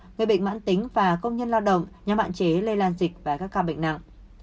người bệnh mãn tính và công nhân lao động nhằm hạn chế lây lan dịch và các ca bệnh nặng